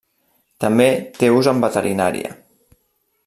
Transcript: També té ús en veterinària.